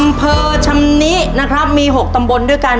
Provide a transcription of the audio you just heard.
อำเภอชำนินะครับมี๖ตำบลด้วยกัน